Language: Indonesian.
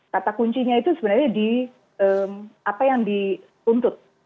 kata kuncinya itu sebenarnya di apa yang dituntut